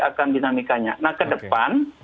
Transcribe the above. akan dinamikanya nah ke depan